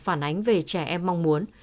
phản ánh về trẻ em mong muốn